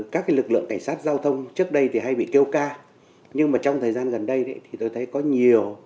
các lực lượng cảnh sát giao thông trước đây thì hay bị kêu ca nhưng mà trong thời gian gần đây thì tôi thấy có nhiều